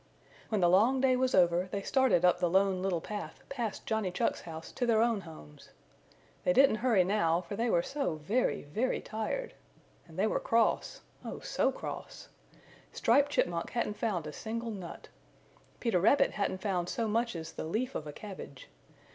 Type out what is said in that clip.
When the long day was over they started up the Lone Little Path past Johnny Chuck's house to their own homes. They didn't hurry now for they were so very, very tired! And they were cross oh so cross! Striped Chipmunk hadn't found a single nut. Peter Rabbit hadn't found so much as the leaf of a cabbage.